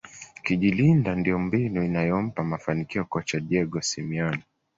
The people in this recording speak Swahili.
kujilinda ndio mbinu inayompa mafanikio kocha diego simeone